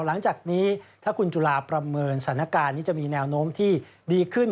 หลังจากนี้ถ้าคุณจุฬาประเมินสถานการณ์นี้จะมีแนวโน้มที่ดีขึ้น